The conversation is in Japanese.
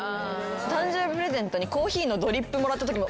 誕生日プレゼントにコーヒーのドリップもらったときも。